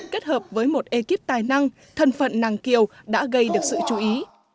kết hợp với một ekip tài năng thân phận nàng kiều đã gây được sự chú ý